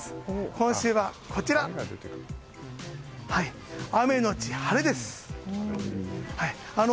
今週は、雨のち晴れです。